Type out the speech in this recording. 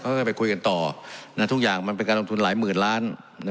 ก็จะไปคุยกันต่อทุกอย่างมันเป็นการลงทุนหลายหมื่นล้าน